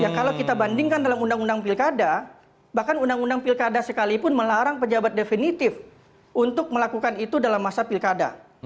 ya kalau kita bandingkan dalam undang undang pilkada bahkan undang undang pilkada sekalipun melarang pejabat definitif untuk melakukan itu dalam masa pilkada